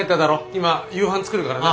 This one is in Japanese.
今夕飯作るからな。